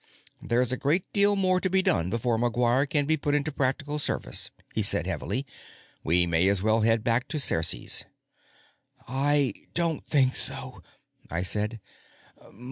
"There's a great deal more to be done before McGuire can be put into practical service," he said heavily. "We may as well head back to Ceres." "I don't think so," I said.